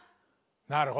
なるほど。